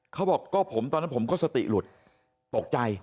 เขาบอกก็ผมตอนนั้นผมก็สติหลุดตกใจ